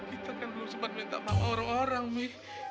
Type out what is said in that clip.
kita kan belum sempat minta maaf orang orang nih